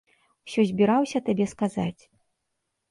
Усё збіраўся табе сказаць.